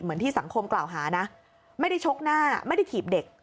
เหมือนที่สังคมกล่าวหานะไม่ได้ชกหน้าไม่ได้ถีบเด็ก